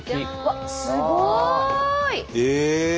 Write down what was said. すごい！ええ！